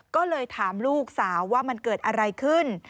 ก็เลยถามลูกสาวว่ามันเกิดอะไรขึ้น